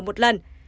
huyền trân nói